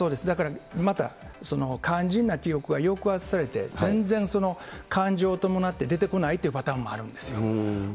だからまた、肝心な記憶は抑圧されて、全然感情を伴って出てこないというパターンもあるんですよ。